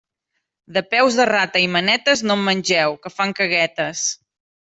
De peus de rata i manetes, no en mengeu, que fan caguetes.